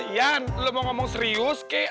yan lo mau ngomong serius kek